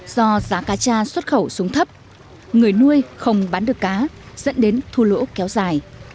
do giá cá cha xuất khẩu xuống thấp người nuôi không bán được cá dẫn đến thua lỗ kéo dài